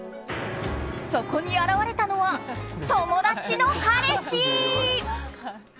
そこに現れたのは友達の彼氏！